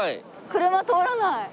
車通らない！